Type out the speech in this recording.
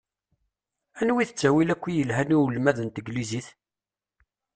Anwa i d ttawil akk i yelhan i ulmad n tegnizit?